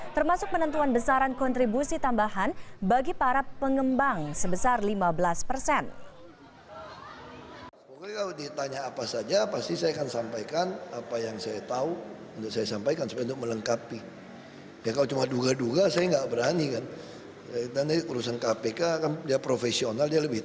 termasuk penentuan besaran kontribusi tambahan bagi para pengembang sebesar lima belas persen